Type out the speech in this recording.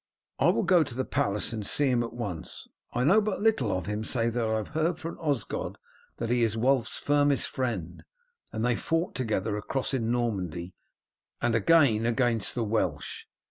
I will go to the palace and see him at once. I know but little of him save that I have heard from Osgod that he is Wulf's firmest friend, and they fought together across in Normandy and again against the Welsh.